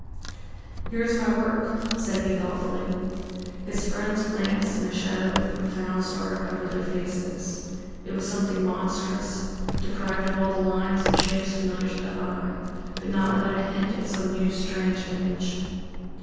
"Here is my work," said he thoughtfully. His friends glanced and a shadow of profound sorrow covered their faces. It was something monstrous, deprived of all the lines and shapes familiar to the eye, but not without a hint at some new, strange image.